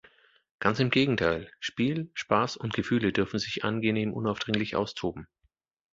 Ganz im Gegenteil: Spiel, Spaß und Gefühle dürfen sich angenehm-unaufdringlich austoben.